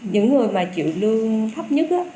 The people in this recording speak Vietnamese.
những người mà chịu lương thấp nhất